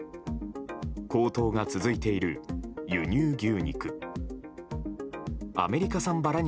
高騰が続いている輸入牛肉。